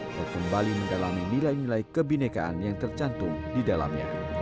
untuk kembali mendalami nilai nilai kebinekaan yang tercantum di dalamnya